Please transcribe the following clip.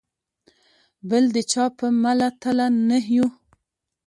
بل د چا په مله تله نه یو.